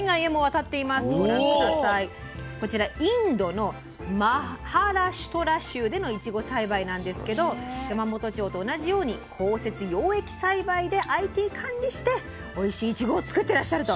こちらインドのマハラシュトラ州でのいちご栽培なんですけど山元町と同じように高設養液栽培でＩＴ管理しておいしいいちごを作ってらっしゃると。